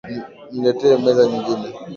Nileete meza nyingine